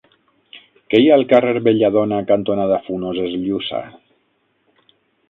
Què hi ha al carrer Belladona cantonada Funoses Llussà?